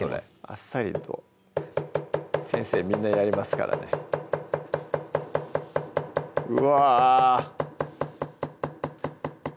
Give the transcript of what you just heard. あっさりと先生みんなやりますからねうわ